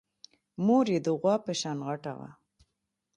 مور يې د غوا په شان غټه وه.